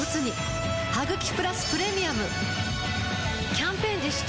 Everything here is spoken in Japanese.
キャンペーン実施中